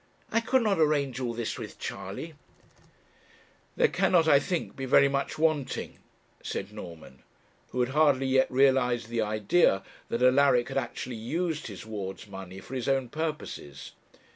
I could not arrange all this with Charley.' 'There cannot, I think, be very much wanting,' said Norman, who had hardly yet realized the idea that Alaric had actually used his ward's money for his own purposes.